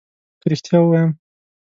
که ريښتيا ووايم